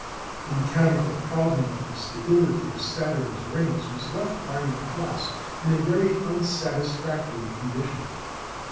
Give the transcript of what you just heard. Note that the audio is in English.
The mechanical problem of the stability of Saturn's rings was left by Laplace in a very unsatisfactory condition.